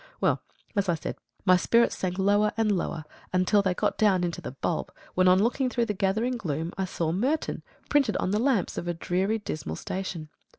Well, as I said, my spirits sank lower and lower until they got down into the bulb, when on looking through the gathering gloom I saw "Merton" printed on the lamps of a dreary dismal station.